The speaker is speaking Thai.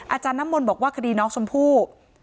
อาจารย์น้ำมนต์บอกว่าคดีน้องชมพู่